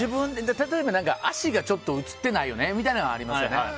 例えば、足がちょっと写ってないよねとかはありますね。